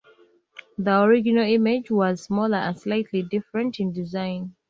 The original image was smaller and slightly different in design.